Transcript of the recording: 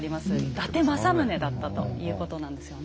伊達政宗だったということなんですよね。